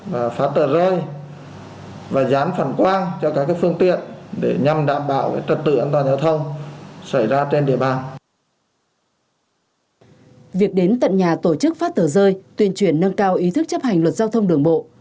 việc đến tận nhà tổ chức phát tờ rơi tuyên truyền nâng cao ý thức chấp hành luật giao thông đường bộ